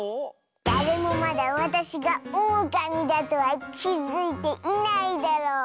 だれもまだわたしがオオカミだとはきづいていないだろう。